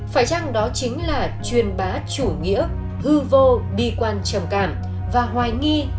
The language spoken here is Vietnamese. phải chăng đó chính là truyền bá chủ nghĩa hư vô bi quan trầm cảm và hoài nghi